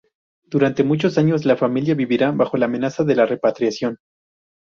Durante muchos años, la familia vivirá bajo la amenaza de la repatriación.